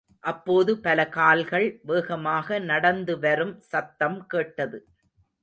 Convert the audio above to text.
அப்போது பல கால்கள் வேகமாக நடந்து வரும் சத்தம் கேட்டது.